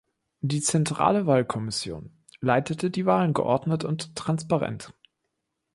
Die Zentrale Wahlkommission leitete die Wahlen geordnet und transparent.